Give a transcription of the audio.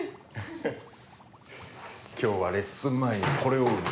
今日はレッスン前にこれを売る。